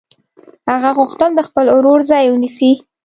هغه غوښتل د خپل ورور ځای ونیسي